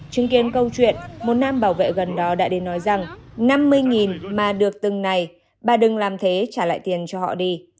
chứng kiến câu chuyện một nam bảo vệ gần đó đã đến nói rằng năm mươi mà được từng ngày bà đừng làm thế trả lại tiền cho họ đi